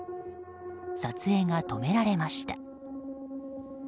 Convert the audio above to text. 撮影が止められました。